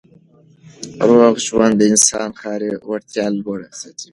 روغ ژوند د انسان کاري وړتیا لوړه ساتي.